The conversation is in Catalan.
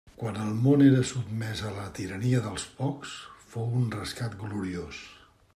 Quan el món era sotmès a la tirania dels pocs, fou un rescat gloriós.